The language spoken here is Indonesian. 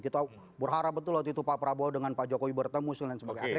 kita berharap betul waktu itu pak prabowo dengan pak jokowi bertemu dan sebagainya